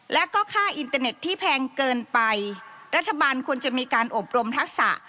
และก็ค่าอินเตอร์เน็ตที่แพงเกินไปรัฐบาลควรจะมีการอบรมทักษะ